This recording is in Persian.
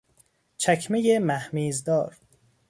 چکمهی مهمیزدار